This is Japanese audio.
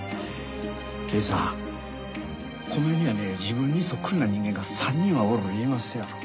刑事さんこの世にはね自分にそっくりな人間が３人はおる言いますやろ。